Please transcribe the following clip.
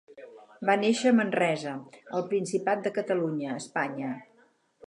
Va néixer a Manresa, al Principat de Catalunya, Espanya.